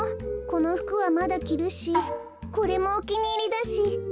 このふくはまだきるしこれもおきにいりだし。